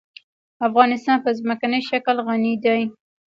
افغانستان په ځمکنی شکل غني دی.